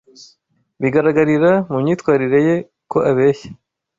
Bigaragarira mu myitwarire ye ko abeshya.